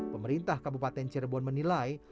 pemerintah kabupaten cirebon menilai